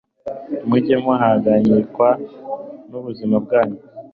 Mujye muhangayikwa nubuzima bwiza